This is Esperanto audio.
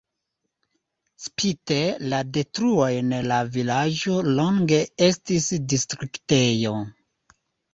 Spite la detruojn la vilaĝo longe estis distriktejo.